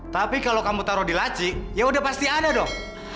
tapi kalau kamu taruh di laci ya udah pasti ada dong